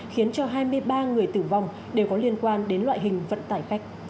khiến cho hai mươi ba người tử vong đều có liên quan đến loại hình vận tải khách